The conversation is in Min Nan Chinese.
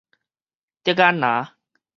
竹仔林